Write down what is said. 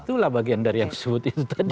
itulah bagian dari yang disebutin tadi